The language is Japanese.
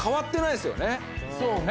そうね。